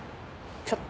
ちょっと。